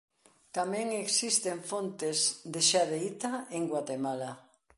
Tamén existen fontes de xadeíta en Guatemala.